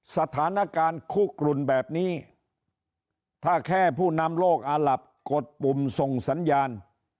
สถานการณ์คุกกลุ่นแบบนี้ถ้าแค่ผู้นำโลกอาหลับกดปุ่มส่งสัญญาณ